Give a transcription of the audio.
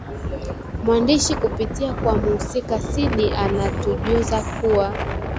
Mwandishi kupitia kwa mhusika Sidi anatujuza kuwa